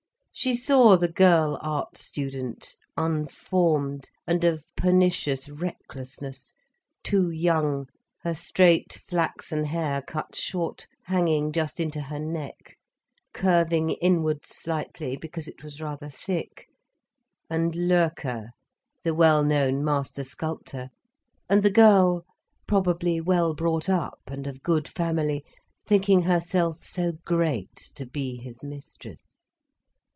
She saw the girl art student, unformed and of pernicious recklessness, too young, her straight flaxen hair cut short, hanging just into her neck, curving inwards slightly, because it was rather thick; and Loerke, the well known master sculptor, and the girl, probably well brought up, and of good family, thinking herself so great to be his mistress.